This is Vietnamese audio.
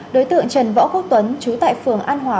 đối tượng trần võ quốc tuấn chú tại phường an hòa